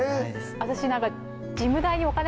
私何か。